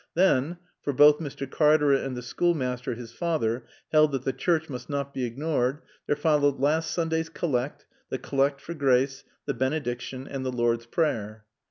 Then (for both Mr. Cartaret and the schoolmaster, his father, held that the Church must not be ignored) there followed last Sunday's Collect, the Collect for Grace, the Benediction, and the Lord's Prayer.